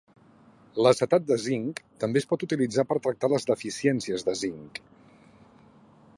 L'acetat de zinc també es pot utilitzar per tractar les deficiències de zinc.